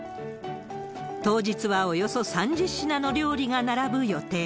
当日はおよそ３０品の料理が並ぶ予定。